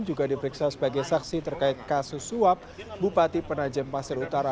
juga diperiksa sebagai saksi terkait kasus suap bupati penajem pasir utara